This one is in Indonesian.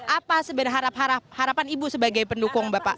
apa sebenarnya harapan ibu sebagai pendukung bapak